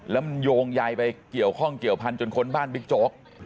แล้วมันโยงใยไปเกี่ยวข้องเกี่ยวพันธุจนค้นบ้านบิ๊กโจ๊ก